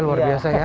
luar biasa ya